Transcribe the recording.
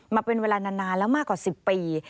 มาเป็นเวลานานแล้วมากกว่า๑๐ปี